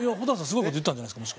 すごい事言ったんじゃないですか？